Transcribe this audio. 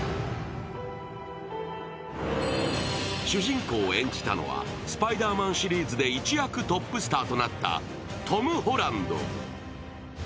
主人公を演じたのは「スパイダーマン」シリーズで一躍トップスターとなったトム・ホランド。